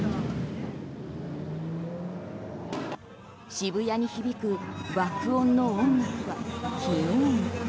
渋谷に響く爆音の音楽は昨日も。